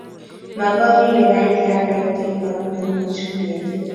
Tokonomei Wazito nambarit ne bo somok.